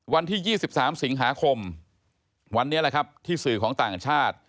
วันที่๒๓สิงหาคมวันนี้แหละครับที่สื่อของต่างชาติ